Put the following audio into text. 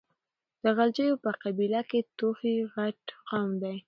د غلجيو په قبيله کې توخي غټ قوم ده.